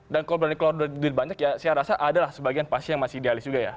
dan kalau berani keluar duit banyak ya saya rasa adalah sebagian pasti yang masih idealis juga ya